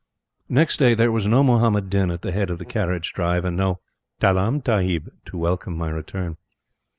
Next day there was no Muhammad Din at the head of the carriage drive, and no "Talaam Tahib" to welcome my return.